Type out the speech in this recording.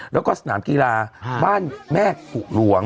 แล้วก็สนามกีฬาบ้านแม่กุหลวง